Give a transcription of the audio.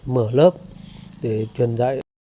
mở lớp để truyền dạy